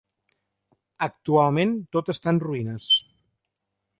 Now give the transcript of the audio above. Actualment tot està en ruïnes.